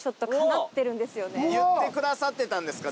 言ってくださってたんですか。